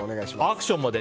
アクションまで。